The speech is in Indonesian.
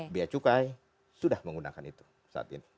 biaya cukai sudah menggunakan itu saat ini